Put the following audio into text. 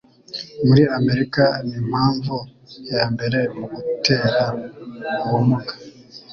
muri Amerika nimpamvu ya mbere mu gutera ubumuga.